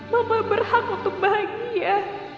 mama berhak untuk bahagia